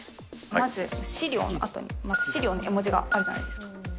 まず資料のあとに、資料の絵文字があるじゃないですか。